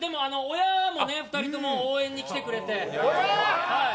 親も２人とも応援に来てくれて。